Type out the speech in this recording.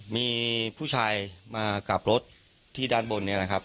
มีผู้ชายมากลับรถที่ด้านบนนี้นะครับ